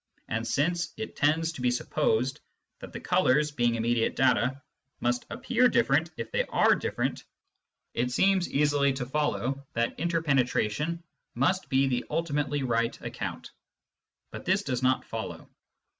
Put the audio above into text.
And since it tends to be supposed that the colours, being immediate data, must appear different if they are different, it seems easily to follow that " interpenetration " must be the ultimately right account. But this does not follow.